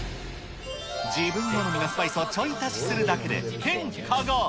自分好みのスパイスをちょい足しするだけで、変化が。